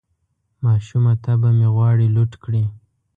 ماشومه طبعه مې غواړي لوټ کړي